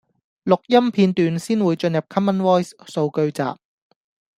錄音片段先會進入 Common Voice 數據集